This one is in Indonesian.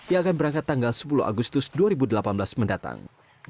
yang akan berangkat tanggal sepuluh agustus dua ribu delapan belas mendatang